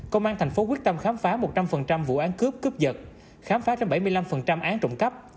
công an tp hcm quyết tâm khám phá một trăm linh vụ án cướp cướp giật khám phá bảy mươi năm án trụng cấp